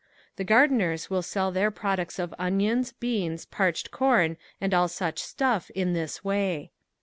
The gardeners will sell their products of onions, beans, parched corn and all such stuff in this way.